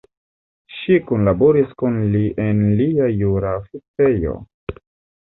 Ŝi kunlaboris kun li en lia jura oficejo.